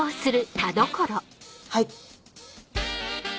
はい。